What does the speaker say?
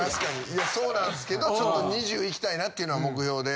いやそうなんですけどちょっと２０いきたいなっていうのが目標で。